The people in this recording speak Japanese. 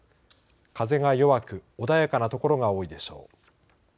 風が弱く穏やかな所が多いでしょう。